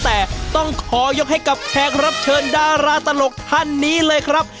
แต่ต้องขอยกให้กับแขกรับเชิญดาราตลกท่านนี้เลยครับ